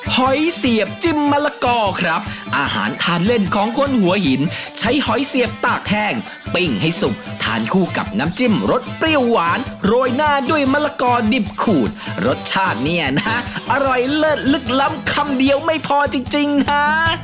หอยเสียบจิ้มมะละกอครับอาหารทานเล่นของคนหัวหินใช้หอยเสียบตากแห้งปิ้งให้สุกทานคู่กับน้ำจิ้มรสเปรี้ยวหวานโรยหน้าด้วยมะละกอดิบขูดรสชาติเนี่ยนะฮะอร่อยเลิศลึกล้ำคำเดียวไม่พอจริงฮะ